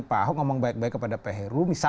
pak ahok ngomong baik baik kepada pahok